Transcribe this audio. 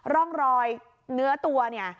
ร่องรอยเนื้อตัวเนี่ย